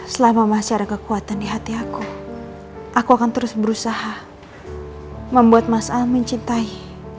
selama masih ada kekuatan di hati aku aku akan terus berusaha membuat mas al mencintai